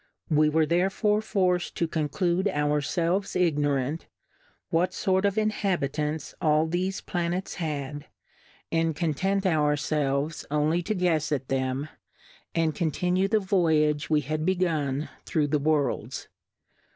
We were therefore forcM to conclude our felves , ignorant, what fort of Inhabitants all thefe Planets had, and content our felves only Plurality ^WORLDS. loi only to guefs at them, and continue the Voyage we had begun thro' the Worlds.